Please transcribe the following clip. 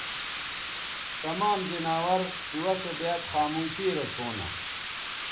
تمام زناور سُوہ سو بیاد خاموشی رے ݜؤں نہ